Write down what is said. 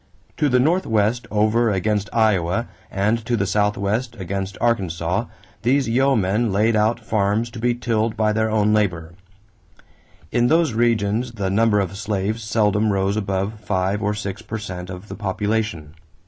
To the northwest over against Iowa and to the southwest against Arkansas, these yeomen laid out farms to be tilled by their own labor. In those regions the number of slaves seldom rose above five or six per cent of the population.